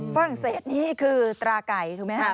เวลาเศสนี่คือตราไก่ถูกไหมฮะ